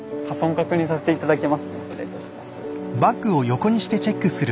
失礼いたします。